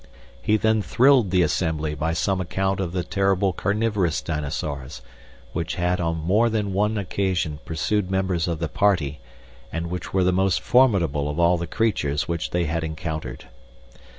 He then thrilled the assembly by some account of the terrible carnivorous dinosaurs, which had on more than one occasion pursued members of the party, and which were the most formidable of all the creatures which they had encountered.